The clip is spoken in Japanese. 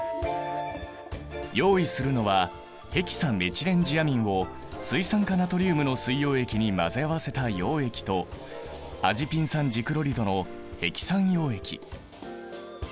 用意するのはヘキサメチレンジアミンを水酸化ナトリウムの水溶液に混ぜ合わせた溶液とアジピン酸ジクロリドのヘキサン溶液。